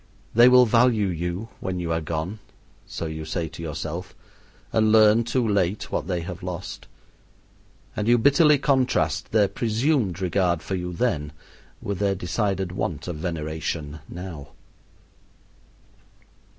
They will value you when you are gone, so you say to yourself, and learn too late what they have lost; and you bitterly contrast their presumed regard for you then with their decided want of veneration now.